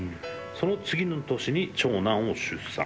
その次の年に長男を出産」。